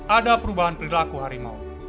ada perubahan perilaku harimau